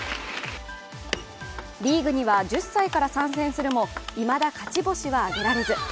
リーグには１０歳から参戦するもいまだ勝ち星は挙げられず。